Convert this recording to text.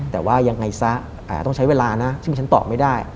แต่ว่ายังไงซะต้องใช้เวลานะซึ่งที่ฉันตอบไม่ได้